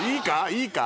いいか？